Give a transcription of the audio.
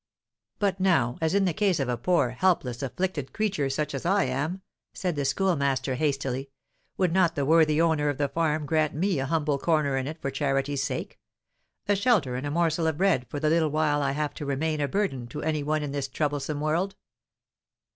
"But now, as in the case of a poor, helpless, afflicted creature such as I am," said the Schoolmaster, hastily, "would not the worthy owner of the farm grant me a humble corner in it for charity's sake a shelter and a morsel of bread for the little while I have to remain a burden to any one in this troublesome world?